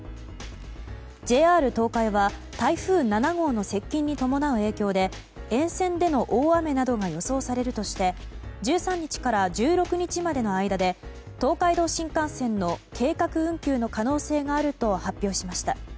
ＪＲ東海は台風７号の接近に伴う影響で沿線での大雨などが予想されるとして１３日から１６日までの間で東海道新幹線の計画運休の可能性があると発表しました。